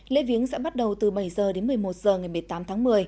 lễ viếng sẽ bắt đầu từ bảy h đến một mươi một h ngày một mươi tám tháng một mươi